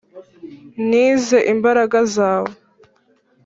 nize imbaraga zawe